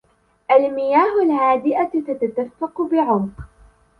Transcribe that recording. المياه الهادئة تتدفق بعمق